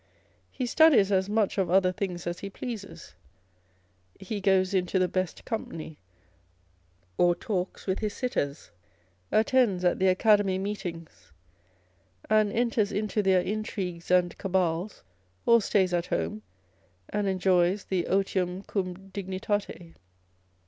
He studies as much of other things as he pleases. He goes into the best company, or talks with his sitters â€" attends at the Academy Meetings, and enters into their intrigues and cabals, or stays at home, and enjoys the otium cum dignitate.